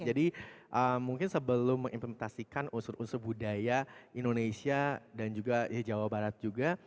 jadi mungkin sebelum mengimplementasikan unsur unsur budaya indonesia dan juga jawa barat juga